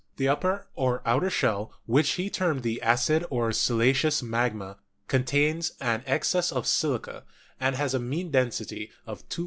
The upper or outer shell, which he termed the acid or siliceous magma, contains an excess of silica, and has a mean density of 2.65.